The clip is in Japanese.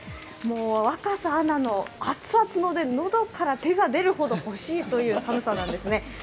もう、若狭アナの熱々のおでん喉から手が出るほど欲しいという寒さなんですね。